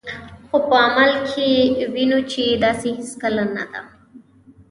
خو په عمل کې وینو چې داسې هیڅکله نه ده.